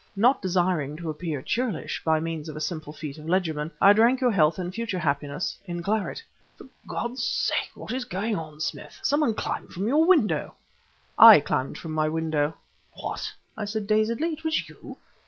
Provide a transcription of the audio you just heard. Not desiring to appear churlish, by means of a simple feat of legerdemain I drank your health and future happiness in claret! "For God's sake what is going on, Smith? Some one climbed from your window." "I climbed from my window!" "What!" I said dazedly "it was you!